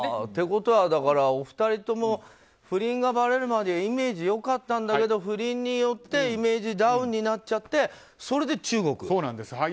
ってことは、お二人とも不倫がばれるまではイメージよかったんだけど不倫によってイメージダウンになっちゃってそうなんです。